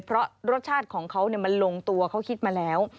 เพราะรสชาติของเขามันลงตัวเขาคิดมาแล้ว